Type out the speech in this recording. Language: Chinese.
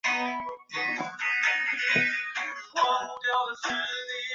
别洛鲁科娃六岁时开始练习滑雪。